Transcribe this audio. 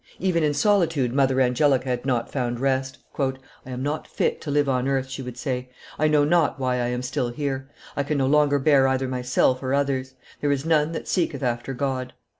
Even in solitude Mother Angelica had not found rest. "I am not fit to live on earth," she would say; "I know not why I am still there; I can no longer bear either myself or others; there is none that seeketh after God."